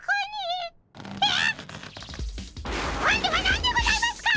今度は何でございますか！